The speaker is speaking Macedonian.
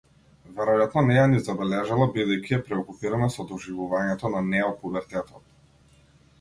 Веројатно не ја ни забележала, бидејќи е преокупирана со доживувањето на неопубертетот.